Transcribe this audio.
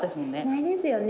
ないですよね